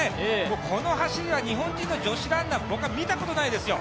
この走りは日本人の女子ランナー僕は見たことないですよ。